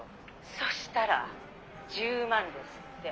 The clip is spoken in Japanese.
そしたら１０万ですって。